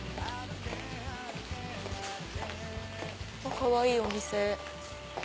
かわいいお店。